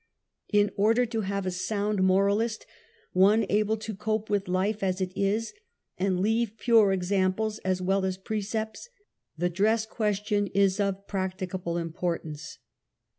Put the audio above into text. In order to have a sound moralist, one able to cope with life as it is and leave pure examples as well ;as precepts, the dress question is of ^practicable import .ance.